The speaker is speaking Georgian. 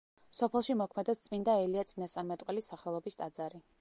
სოფელში მოქმედებს წმინდა ელია წინასწარმეტყველის სახელობის ტაძარი.